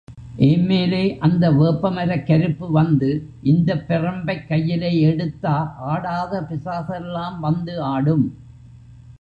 ஏம்மேலே அந்த வேப்பமரக் கருப்பு வந்து, இந்தப் பெரம்பைக் கையிலே எடுத்தா ஆடாத பிசாசெல்லாம் வந்து ஆடும்.